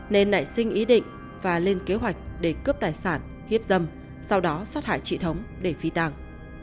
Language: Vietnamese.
nên nảy sinh ý định và lên kế hoạch để cướp tài sản hiếp dâm sau đó sát hại chị thống để phi tàng